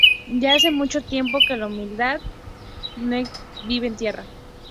Ya hace mucho tiempo que la humanidad no vive en la Tierra.